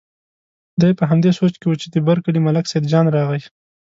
دی په همدې سوچ کې و چې د بر کلي ملک سیدجان راغی.